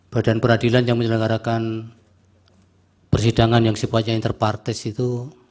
badan peradilan yang menyelenggarakan persidangan yang sifatnya interpartis itu